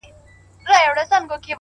يو چا تضاده کړم- خو تا بيا متضاده کړمه-